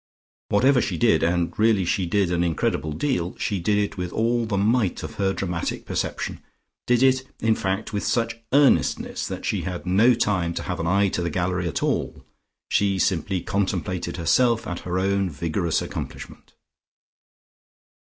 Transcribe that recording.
Whatever she did and really she did an incredible deal she did it with all the might of her dramatic perception, did it in fact with such earnestness that she had no time to have an eye to the gallery at all, she simply contemplated herself and her own vigorous accomplishment.